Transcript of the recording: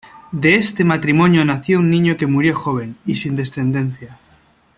De este matrimonio nació un hijo que murió joven y sin descendencia.